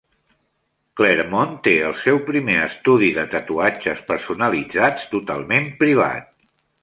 Claremont té el seu primer estudio de tatuatges personalitzats totalment privat.